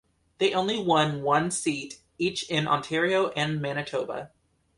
They only won one seat each in Ontario and Manitoba.